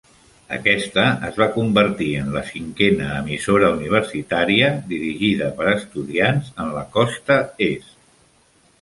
Aquesta es va convertir en la cinquena emissora universitària dirigida per estudiants en la costa est.